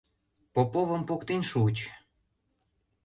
Поповым поктен шуыч.